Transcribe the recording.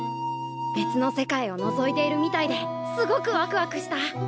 別の世界をのぞいているみたいですごくワクワクした。